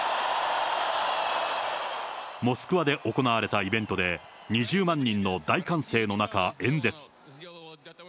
モスクワで行われたイベントで、２０万人の大歓声の中、演説。